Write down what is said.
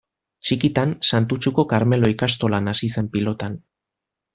Txikitan Santutxuko Karmelo ikastolan hasi zen pilotan.